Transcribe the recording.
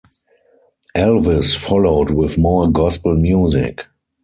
Elvis followed with more gospel music.